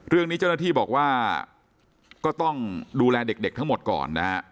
เรื่องนี้เจ้าหน้าที่บอกว่าก็ต้องดูแลเด็กทั้งหมดก่อนนะฮะ